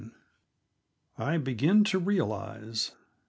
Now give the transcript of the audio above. I Begin to Realize.